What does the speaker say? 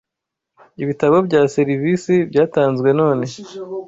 ibitabo bya serivisi byatanzwe none